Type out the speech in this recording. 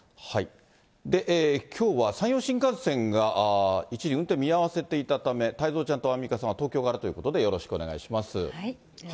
きょうは山陽新幹線が一時運転見合わせていたため、太蔵ちゃんとアンミカさんは東京からということで、よろしくお願いいたします。